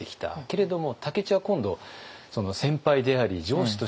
けれども武市は今度先輩であり上司として影響を。